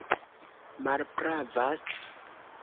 malpravas